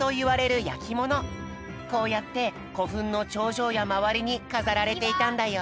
こうやってこふんのちょうじょうやまわりにかざられていたんだよ。